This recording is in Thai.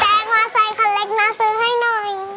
แต่มอเตอร์ไซค์คันเล็กนะซื้อให้หน่อย